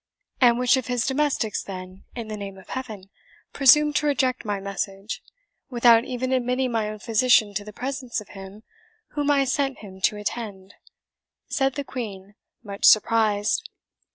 "And which of his domestics, then, in the name of Heaven, presumed to reject my message, without even admitting my own physician to the presence of him whom I sent him to attend?" said the Queen, much surprised.